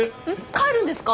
帰るんですか？